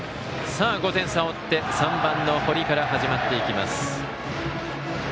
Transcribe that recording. ５点差を追って３番の堀から始まっていきます。